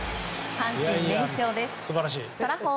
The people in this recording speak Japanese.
阪神連勝です。